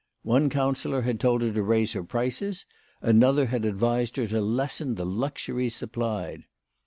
One counsellor had told her to raise her prices ; another had advised her to lessen the luxuries supplied.